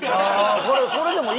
これでもいいのよ。